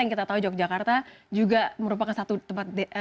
yang kita tahu yogyakarta juga merupakan satu tempat